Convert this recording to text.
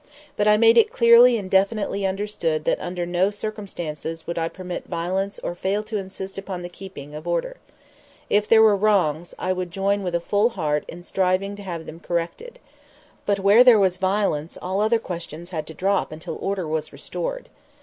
But I made it clearly and definitely understood that under no circumstances would I permit violence or fail to insist upon the keeping of order. If there were wrongs, I would join with a full heart in striving to have them corrected. But where there was violence all other questions had to drop until order was restored.